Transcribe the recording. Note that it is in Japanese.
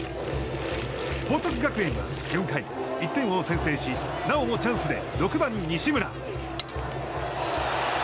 報徳学園は４回、１点を先制しなおもチャンスで６番、西村。